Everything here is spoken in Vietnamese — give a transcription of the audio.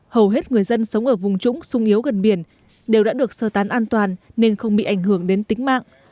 hầu hết người dân sống ở vùng trũng sung yếu gần biển đều đã được sơ tán an toàn nên không bị ảnh hưởng đến tính mạng